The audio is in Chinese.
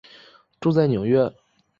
住在纽约。